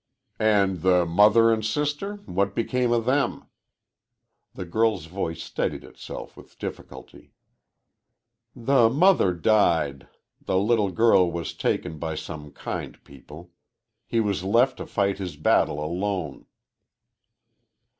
"And the mother and sister what became of them?" The girl's voice steadied itself with difficulty. "The mother died. The little girl was taken by some kind people. He was left to fight his battle alone."